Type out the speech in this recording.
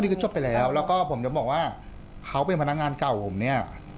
จบไปแล้วแล้วก็ผมจะบอกว่าเขาเป็นพนักงานเก่าผมเนี่ย